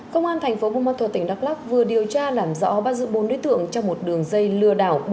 công an tp bùn ma thuật tỉnh đắk lắk vừa điều tra làm rõ ba mươi bốn đối tượng trong một đường dây lừa đảo